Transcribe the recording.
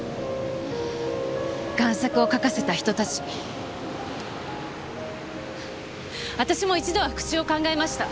贋作を描かせた人たちに私も一度は復讐を考えました。